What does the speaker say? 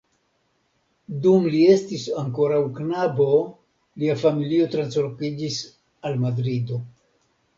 Dum li estis ankoraŭ knabo, lia familio translokiĝis al Madrido.